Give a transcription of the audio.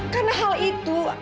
karena hal itu